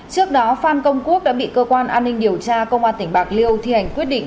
trước đó phan công quốc đã bị cơ quan an ninh điều tra công an tỉnh bạc liêu thi hành quyết định